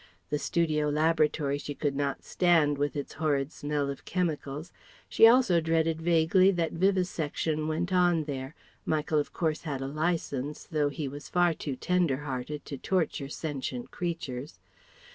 The studio laboratory she could not stand with its horrid smell of chemicals; she also dreaded vaguely that vivisection went on there Michael of course had a license, though he was far too tender hearted to torture sentient creatures.